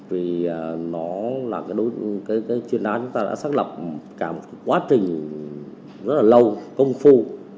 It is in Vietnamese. vì nó là cái chuyên án chúng ta đã xác lập cả một quá trình rất là lâu công phu